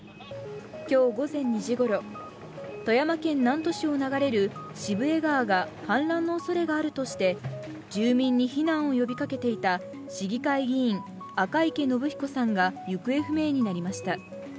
今日午前２時ごろ富山県南砺市を流れる渋江川が氾濫のおそれがあるとして住民に避難を呼びかけていた市議会議員、赤池伸彦さんが行方不明になりました。